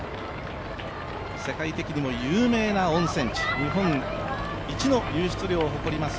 世界的にも有名な温泉地、日本一の湧出量を誇ります